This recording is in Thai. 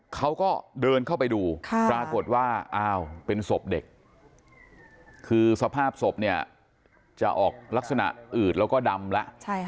เขาก็เดินเข้าไปดูปรากฏว่าอ้าวเป็นศพเด็กคือสภาพศพเนี่ยจะออกลักษณะอืดแล้วก็ดำแล้ว